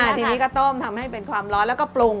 ทีนี้ก็ต้มทำให้เป็นความร้อนแล้วก็ปรุง